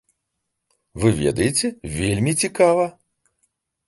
Вы ведаеце, вельмі цікава.